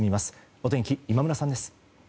お天気、今村さんです。